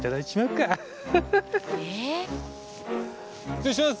失礼します。